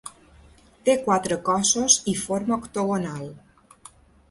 Té quatre cossos i forma octogonal.